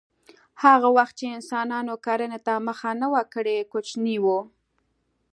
هغه وخت چې انسانانو کرنې ته مخه نه وه کړې کوچني وو